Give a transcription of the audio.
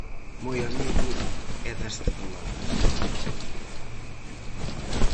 Moi amigo é das ceboladas.